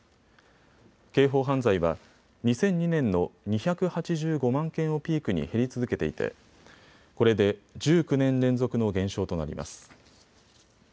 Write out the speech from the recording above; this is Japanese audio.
刑法犯罪は２００２年の２８５万件をピークに減り続けていてこれで１９年連続の減少となります。